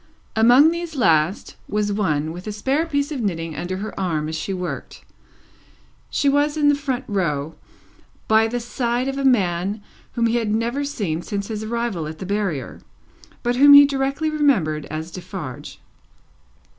Among these last, was one, with a spare piece of knitting under her arm as she worked. She was in a front row, by the side of a man whom he had never seen since his arrival at the Barrier, but whom he directly remembered as Defarge.